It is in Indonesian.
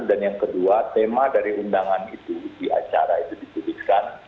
dan yang kedua tema dari undangan itu di acara itu ditunjukkan